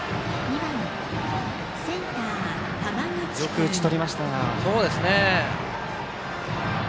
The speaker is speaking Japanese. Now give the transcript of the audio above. よく打ち取りましたね。